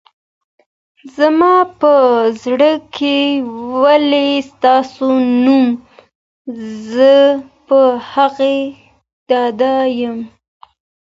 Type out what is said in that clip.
زما په زړه کي وي ستا نوم ، زه په هغه ډاډه يم